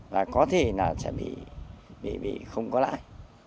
và có thể là sẽ bị không có lại